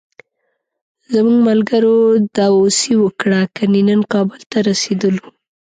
زموږ ملګرو داوسي وکړه، کني نن کابل ته رسېدلو.